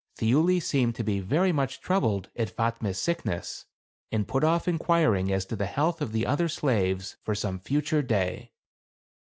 Thiuli seemed to be very much troubled at Fatme's sickness, and put off inquiring as to the health of the other slaves for some future day.